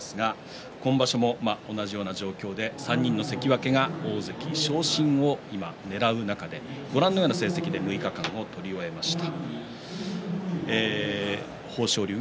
今場所も同じような状況で３人の関脇が大関昇進をねらう中でご覧のような成績で６日間を取りました。